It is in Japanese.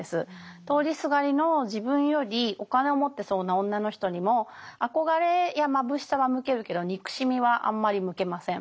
通りすがりの自分よりお金を持ってそうな女の人にも憧れやまぶしさは向けるけど憎しみはあんまり向けません。